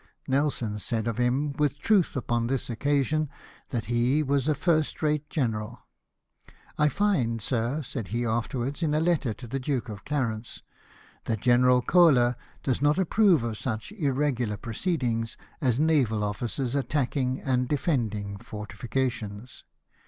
Nelson said of him, with truth upon this occasion, that he was a first rate general. "I find, sir," said he afterwards, in a letter to the Duke of Clarence, 192 LIFE OF NELSON. "that General Koehler does not approve of such irregular proceedings as naval officers attacking and defending fortifications.